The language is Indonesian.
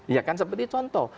ya kan seperti contoh